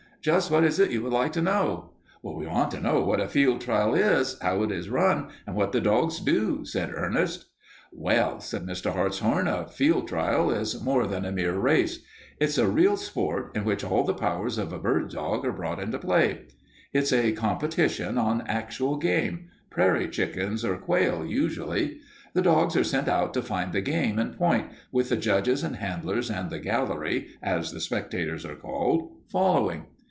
Just what is it you would like to know?" "We want to know what a field trial is, how it is run, and what the dogs do," said Ernest. "Well," said Mr. Hartshorn, "a field trial is more than a mere race. It's a real sport in which all the powers of a bird dog are brought into play. It's a competition on actual game prairie chickens or quail, usually. The dogs are sent out to find the game and point, with the judges and handlers and the gallery, as the spectators are called, following.